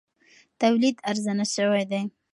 تولید ارزانه شوی دی.